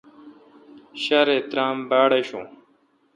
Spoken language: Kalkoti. ݭارےترام باڑ آشوں۔